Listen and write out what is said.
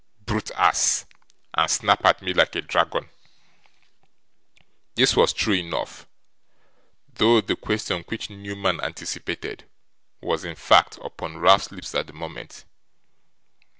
"Brute, ass!" and snap at me like a dragon.' This was true enough; though the question which Newman anticipated, was, in fact, upon Ralph's lips at the moment.